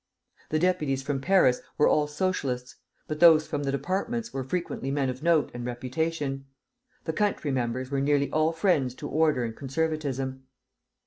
The deputies from Paris were all Socialists, but those from the departments were frequently men of note and reputation. The country members were nearly all friends to order and conservatism.